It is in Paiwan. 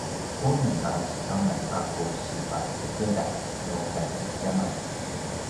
unem a zikangan a ku si pacegedan nu kadjamadjaman